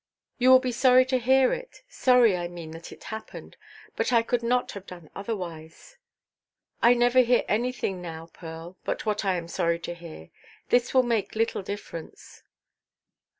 "You will be sorry to hear it—sorry, I mean, that it happened; but I could not have done otherwise." "I never hear anything, now, Pearl, but what I am sorry to hear. This will make little difference."